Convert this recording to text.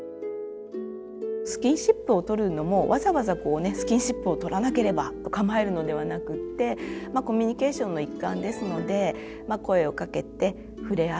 スキンシップを取るのもわざわざスキンシップを取らなければと構えるのではなくってコミュニケーションの一環ですので声をかけて触れ合う。